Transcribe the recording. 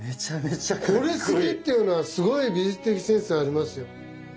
これ好きっていうのはすごい美術的センスありますよ。